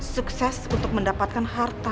sukses untuk mendapatkan harta